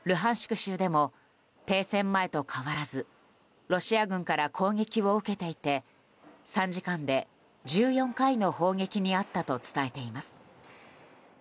州でも停戦前と変わらずロシア軍から攻撃を受けていて３時間で１４回の砲撃に遭ったと伝えています。